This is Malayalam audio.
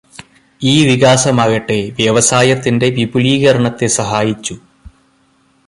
ഈ വികാസമാകട്ടെ വ്യവസായത്തിന്റെ വിപുലീകരണത്തെ സഹായിച്ചു.